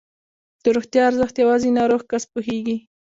د روغتیا ارزښت یوازې ناروغ کس پوهېږي.